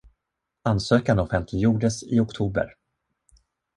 Ansökan offentliggjordes i oktober.